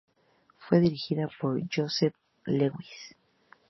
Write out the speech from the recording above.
Fue dirigida por Joseph H. Lewis.